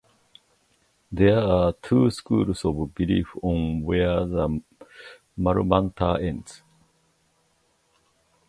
There are two schools of belief on where the Mul Mantar ends.